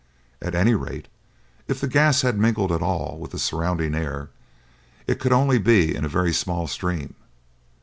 At any rate, if the gas had mingled at all with the surrounding air, it could only be in a very small stream.